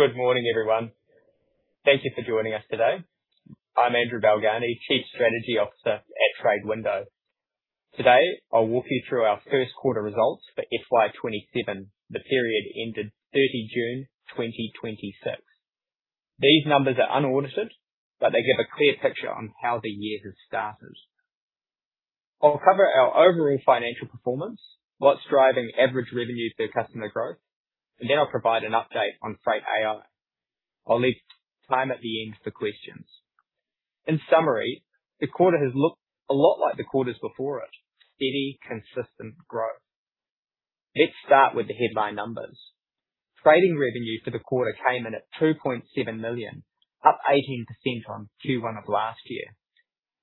Good morning, everyone. Thank you for joining us today. I'm Andrew Balgarnie, Chief Strategy Officer at TradeWindow. Today, I'll walk you through our first quarter results for FY 2027, the period ended 30 June 2026. These numbers are unaudited, but they give a clear picture on how the year has started. I'll cover our overall financial performance, what's driving average revenue per customer growth, and then I'll provide an update on Freight AI. I'll leave time at the end for questions. In summary, the quarter has looked a lot like the quarters before it. Steady, consistent growth. Let's start with the headline numbers. Trading revenue for the quarter came in at 2.7 million, up 18% on Q1 of last year.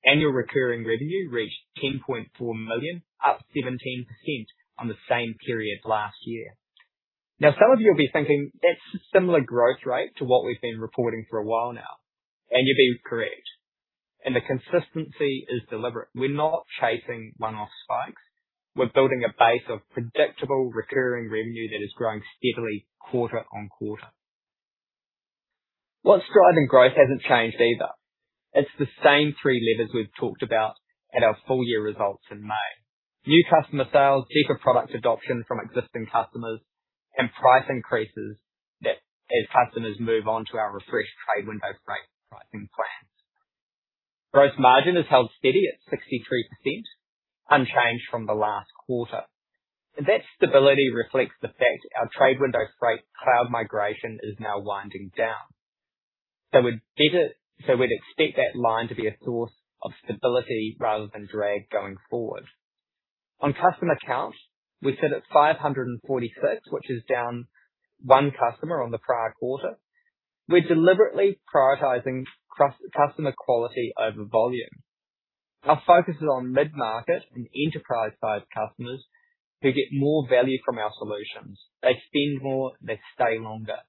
Annual recurring revenue reached 10.4 million, up 17% on the same period last year. Some of you will be thinking that's a similar growth rate to what we've been reporting for a while now, and you'd be correct. The consistency is deliberate. We're not chasing one-off spikes. We're building a base of predictable recurring revenue that is growing steadily quarter-on-quarter. What's driving growth hasn't changed either. It's the same three levers we've talked about at our full-year results in May. New customer sales, deeper product adoption from existing customers, and price increases as customers move on to our refreshed TradeWindow Freight pricing plans. Gross margin has held steady at 63%, unchanged from the last quarter. That stability reflects the fact our TradeWindow Freight cloud migration is now winding down. We'd expect that line to be a source of stability rather than drag going forward. On customer count, we sit at 546, which is down one customer on the prior quarter. We're deliberately prioritizing customer quality over volume. Our focus is on mid-market and enterprise-size customers who get more value from our solutions. They spend more, they stay longer.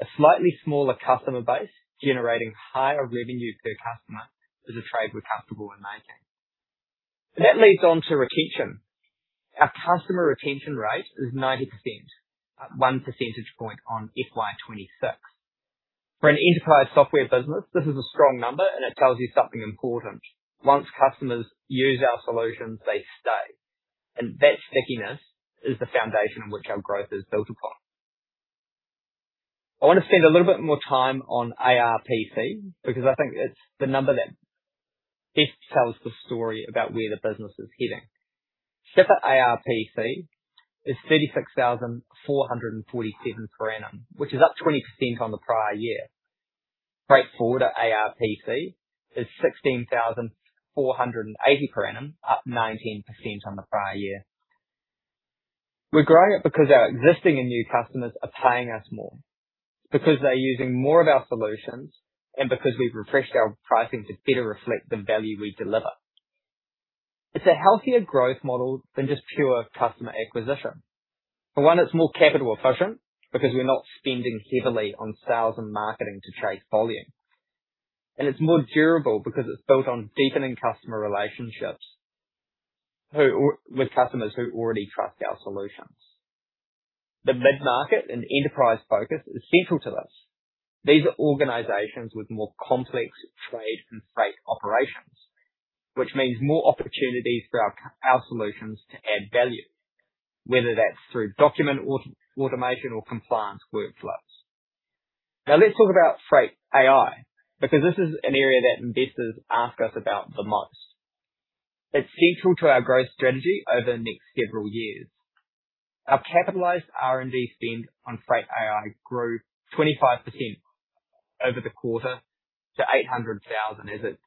A slightly smaller customer base generating higher revenue per customer is a trade we're comfortable in making. That leads on to retention. Our customer retention rate is 90%, up 1 percentage point on FY 2026. For an enterprise software business, this is a strong number, and it tells you something important. Once customers use our solutions, they stay, and that stickiness is the foundation on which our growth is built upon. I want to spend a little bit more time on ARPC, because I think it's the number that best tells the story about where the business is heading. Shipper ARPC is 36,447 per annum, which is up 20% on the prior year. Freight forwarder ARPC is 16,480 per annum, up 19% on the prior year. We're growing it because our existing and new customers are paying us more, because they're using more of our solutions, and because we've refreshed our pricing to better reflect the value we deliver. It's a healthier growth model than just pure customer acquisition. For one, it's more capital efficient because we're not spending heavily on sales and marketing to chase volume. It's more durable because it's built on deepening customer relationships with customers who already trust our solutions. The mid-market and enterprise focus is central to this. These are organizations with more complex trade and freight operations, which means more opportunities for our solutions to add value, whether that's through document automation or compliance workflows. Now let's talk about Freight AI, because this is an area that investors ask us about the most. It's central to our growth strategy over the next several years. Our capitalized R&D spend on Freight AI grew 25% over the quarter to 800,000 as at 30th of June 2026.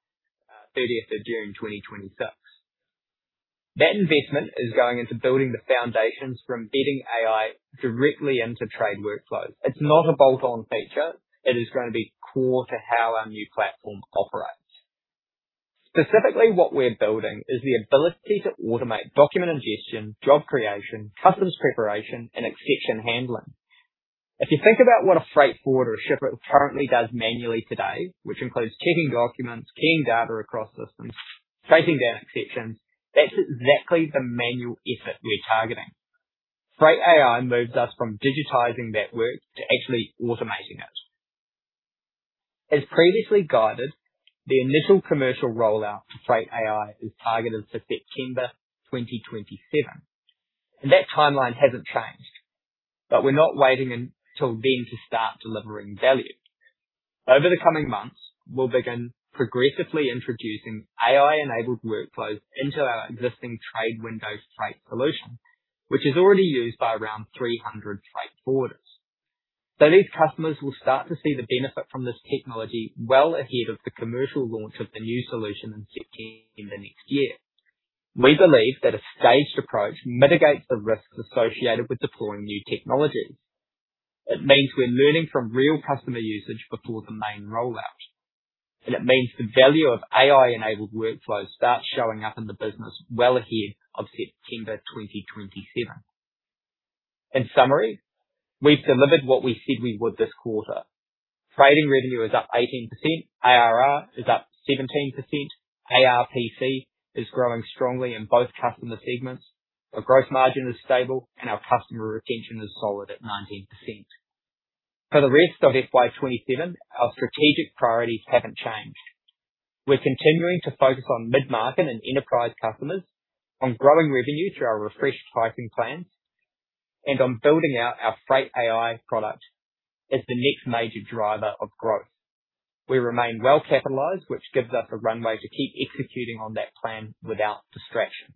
That investment is going into building the foundations for embedding AI directly into trade workflows. It's not a bolt-on feature. It is going to be core to how our new platform operates. Specifically, what we're building is the ability to automate document ingestion, job creation, customs preparation, and exception handling. If you think about what a freight forwarder or shipper currently does manually today, which includes checking documents, keying data across systems, chasing down exceptions, that's exactly the manual effort we're targeting. Freight AI moves us from digitizing that work to actually automating it. As previously guided, the initial commercial rollout for Freight AI is targeted for September 2027, and that timeline hasn't changed, but we're not waiting until then to start delivering value. Over the coming months, we'll begin progressively introducing AI-enabled workflows into our existing TradeWindow Freight solution, which is already used by around 300 freight forwarders. These customers will start to see the benefit from this technology well ahead of the commercial launch of the new solution in September next year. We believe that a staged approach mitigates the risks associated with deploying new technology. It means we're learning from real customer usage before the main rollout, and it means the value of AI-enabled workflows starts showing up in the business well ahead of September 2027. In summary, we've delivered what we said we would this quarter. Trading revenue is up 18%, ARR is up 17%, ARPC is growing strongly in both customer segments. Our growth margin is stable, and our customer retention is solid at 90%. For the rest of FY 2027, our strategic priorities haven't changed. We're continuing to focus on mid-market and enterprise customers, on growing revenue through our refreshed pricing plans, and on building out our Freight AI product as the next major driver of growth. We remain well-capitalized, which gives us a runway to keep executing on that plan without distraction.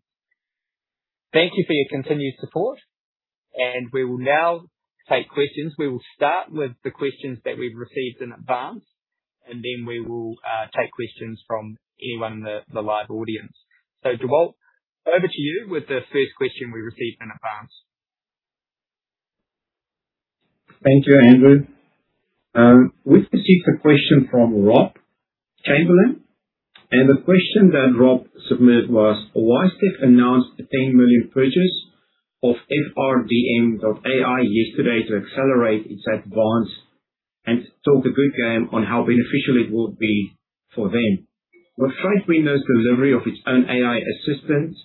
Thank you for your continued support, and we will now take questions. We will start with the questions that we've received in advance, and then we will take questions from anyone in the live audience. Dewald, over to you with the first question we received in advance. Thank you, Andrew. We've received a question from [Rob Chamberlain], and the question that Rob submitted was, "WiseTech announced a 10 million purchase of FRDM.ai yesterday to accelerate its advance and talk a good game on how beneficial it will be for them. With TradeWindow's delivery of its own AI assistant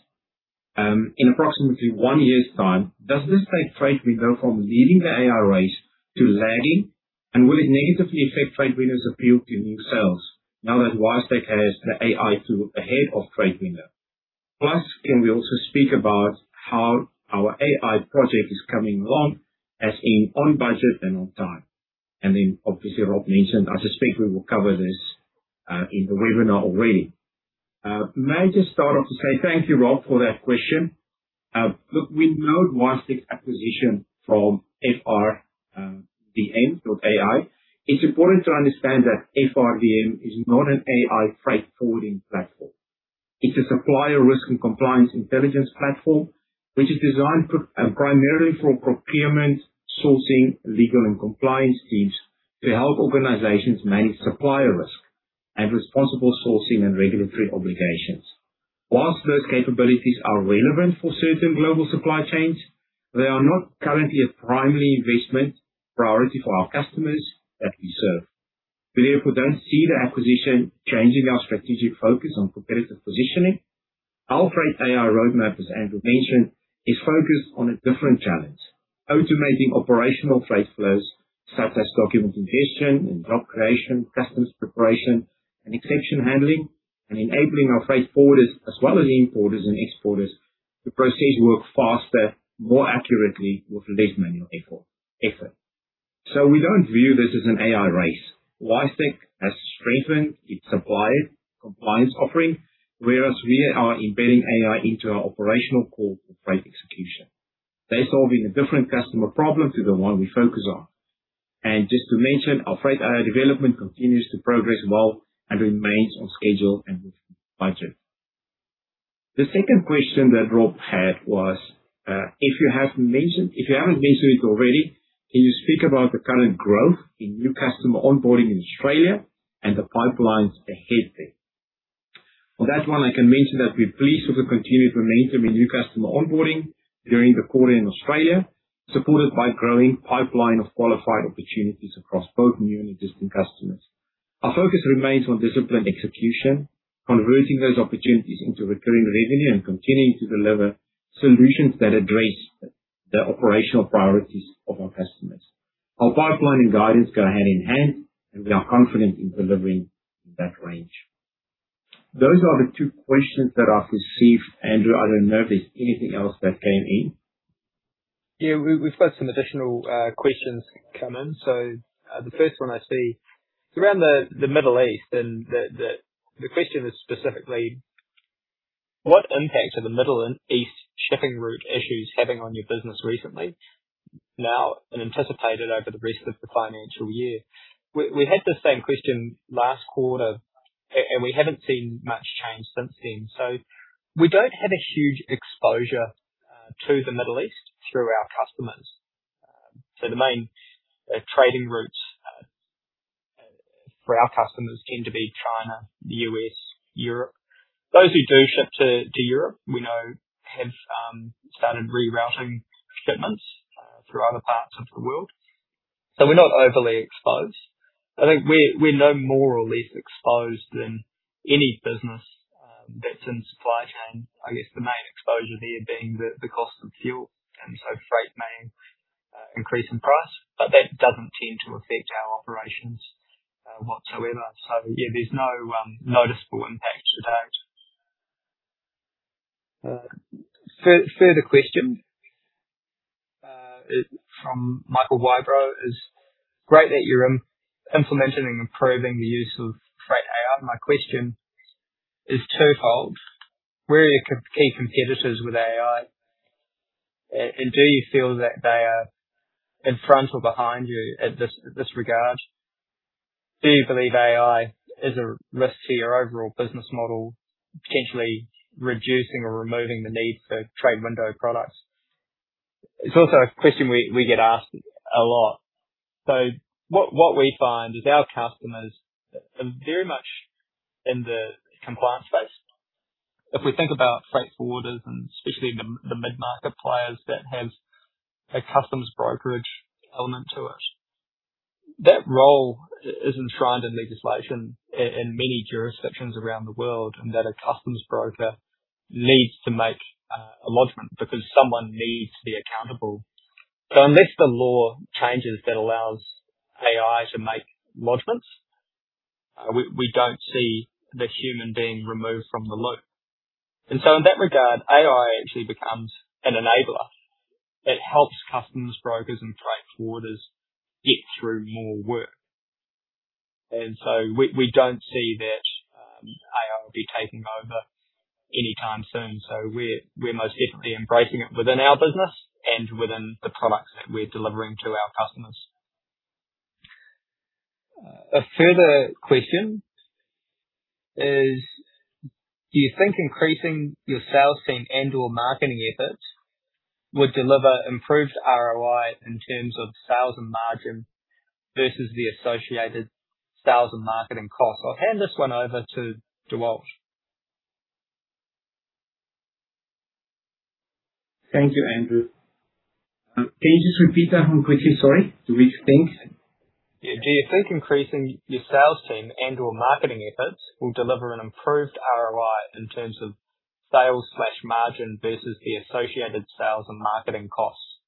in approximately one year's time, does this take TradeWindow from leading the AI race to lagging? And will it negatively affect TradeWindow's appeal to new sales now that WiseTech has the AI tool ahead of TradeWindow? Plus, can we also speak about how our AI project is coming along, as in on budget and on time?" And then obviously, Rob mentioned, I suspect we will cover this in the webinar already. May I just start off to say thank you, Rob, for that question. We know WiseTech's acquisition from FRDM.ai. It's important to understand that FRDM is not an AI freight forwarding platform. It's a supplier risk and compliance intelligence platform, which is designed primarily for procurement, sourcing, legal, and compliance teams to help organizations manage supplier risk and responsible sourcing and regulatory obligations. Whilst those capabilities are relevant for certain global supply chains, they are not currently a primary investment priority for our customers that we serve. We, therefore, don't see the acquisition changing our strategic focus on competitive positioning. Our Freight AI roadmap, as Andrew mentioned, is focused on a different challenge: automating operational freight flows such as document ingestion and job creation, customs preparation and exception handling, and enabling our freight forwarders as well as importers and exporters to proceed to work faster, more accurately, with less manual effort. We don't view this as an AI race. WiseTech has strengthened its supply compliance offering, whereas we are embedding AI into our operational core for freight execution. They're solving a different customer problem to the one we focus on. Just to mention, our Freight AI development continues to progress well and remains on schedule and within budget. The second question that Rob had was, "If you haven't mentioned it already, can you speak about the current growth in new customer onboarding in Australia and the pipelines ahead there?" For that one, I can mention that we're pleased with the continued momentum in new customer onboarding during the quarter in Australia, supported by a growing pipeline of qualified opportunities across both new and existing customers. Our focus remains on disciplined execution, converting those opportunities into recurring revenue, and continuing to deliver solutions that address the operational priorities of our customers. Our pipeline and guidance go hand in hand, we are confident in delivering in that range. Those are the two questions that I've received. Andrew, I don't know if there's anything else that came in. Yeah, we've got some additional questions come in. The first one I see is around the Middle East and the question is specifically, what impact are the Middle East shipping route issues having on your business recently, now, and anticipated over the rest of the financial year? We had the same question last quarter, we haven't seen much change since then. We don't have a huge exposure to the Middle East through our customers. The main trading routes for our customers tend to be China, the U.S., Europe. Those who do ship to Europe, we know have started rerouting shipments through other parts of the world. We're not overly exposed. I think we're no more or less exposed than any business that's in supply chain. I guess the main exposure there being the cost of fuel, freight may increase in price, but that doesn't tend to affect our operations whatsoever. Yeah, there's no noticeable impact to date. Further question from [Michael Wybro] is, great that you're implementing and improving the use of Freight AI. My question is twofold. Where are your key competitors with AI, do you feel that they are in front or behind you at this regard? Do you believe AI is a risk to your overall business model, potentially reducing or removing the need for TradeWindow products? It's also a question we get asked a lot. What we find is our customers are very much in the compliance space If we think about freight forwarders, especially the mid-market players that have a customs brokerage element to it, that role is enshrined in legislation in many jurisdictions around the world, that a customs broker needs to make a lodgment because someone needs to be accountable. Unless the law changes that allows AI to make lodgments, we don't see the human being removed from the loop. In that regard, AI actually becomes an enabler. It helps customs brokers and freight forwarders get through more work. We don't see that AI will be taking over anytime soon. We're most definitely embracing it within our business and within the products that we're delivering to our customers. A further question is: Do you think increasing your sales team and/or marketing efforts would deliver improved ROI in terms of sales and margin versus the associated sales and marketing costs? I'll hand this one over to Dewald. Thank you, Andrew. Can you just repeat that one quickly? Sorry. The last thing. Do you think increasing your sales team and/or marketing efforts will deliver an improved ROI in terms of sales/margin versus the associated sales and marketing costs?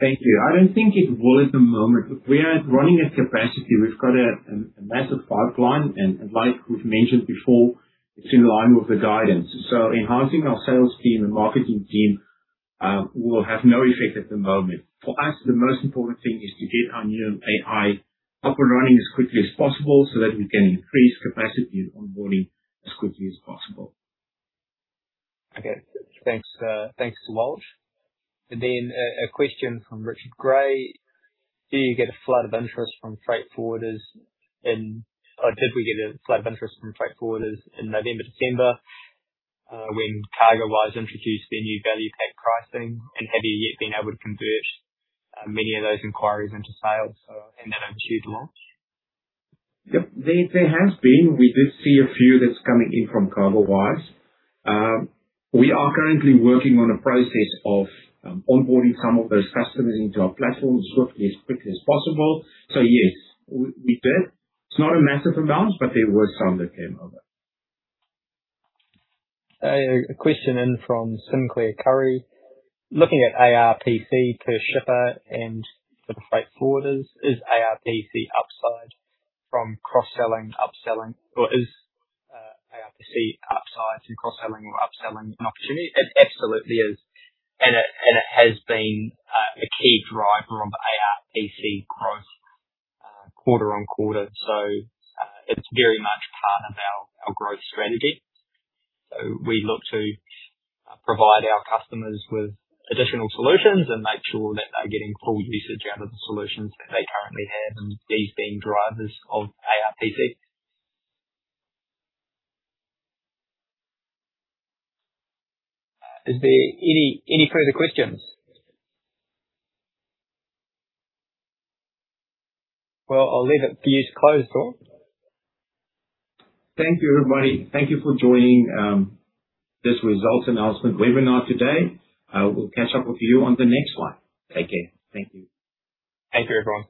Thank you. I don't think it will at the moment. We are running at capacity. We've got a massive pipeline, and like we've mentioned before, it's in line with the guidance. Enhancing our sales team and marketing team will have no effect at the moment. For us, the most important thing is to get our new AI up and running as quickly as possible so that we can increase capacity and onboarding as quickly as possible. Thanks, Dewald. A question from [Richard Gray]: Did we get a flood of interest from freight forwarders in November, December when CargoWise introduced their new Value Pack pricing? Have you yet been able to convert many of those inquiries into sales in that overdue launch? There has been. We did see a few that's coming in from CargoWise. We are currently working on a process of onboarding some of those customers into our platform as quickly as possible. Yes, we did. It's not a massive amount, but there were some that came over. A question in from [Sinclair Curry]: Looking at ARPC per shipper and for the freight forwarders, is ARPC upside through cross-selling or upselling an opportunity? It absolutely is, and it has been a key driver of ARPC growth quarter-on-quarter. It is very much part of our growth strategy. We look to provide our customers with additional solutions and make sure that they're getting full usage out of the solutions that they currently have, and these being drivers of ARPC. Is there any further questions? Well, I'll leave it for you to close, Dewald. Thank you, everybody. Thank you for joining this results announcement webinar today. We'll catch up with you on the next one. Take care. Thank you. Thank you, everyone.